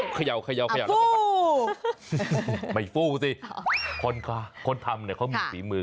ขย่าวขย่าวขย่าวอ่ะฟูไม่ฟูสิคนค่ะคนทำเนี้ยเขามีศีลมือ